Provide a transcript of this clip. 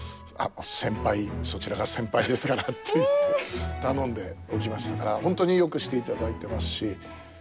先輩そちらが先輩ですから」って言って頼んでおきましたから本当によくしていただいてますし。